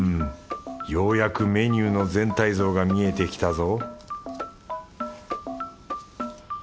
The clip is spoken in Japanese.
ようやくメニューの全体像が見えてきたぞ